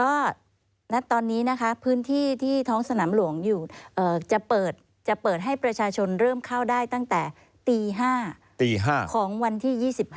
ก็ณตอนนี้นะคะพื้นที่ที่ท้องสนามหลวงอยู่จะเปิดให้ประชาชนเริ่มเข้าได้ตั้งแต่ตี๕ตี๕ของวันที่๒๕